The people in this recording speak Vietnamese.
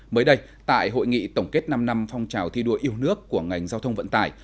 mới đây tại hội nghị tổng kết năm năm phong trào thi đua yêu nước của ngành giao thông vận tải